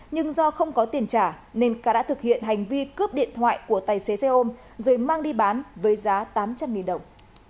nhưng do không có tiền trả nên ca đã thực hiện hành vi cướp điện thoại của tài xế xe ôm rồi mang đi bán với giá tám trăm linh đồng